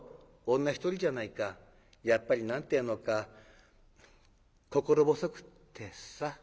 女一人じゃないかやっぱり何て言うのか心細くってさ。